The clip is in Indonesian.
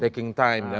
taking time ya